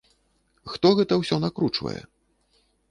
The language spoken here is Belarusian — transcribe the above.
Хто гэта ўсё накручвае?